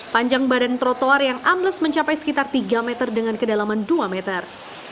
panjang badan trotoar yang ambles mencapai sekitar tiga meter dengan kedalaman dua meter